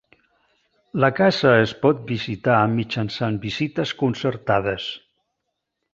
La casa es pot visitar mitjançant visites concertades.